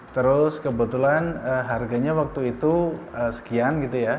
terus kebetulan harganya waktu itu sekian gitu ya